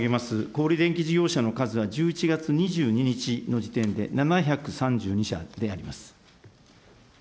小売り電気事業者の数は、１１月２２日の時点で７３２社であります。